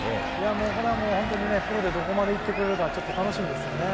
これは本当にプロでどこまでいってくれるか、ちょっと楽しみですね。